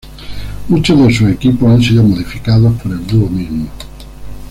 Muchos de sus equipos han sido modificados por el dúo mismo.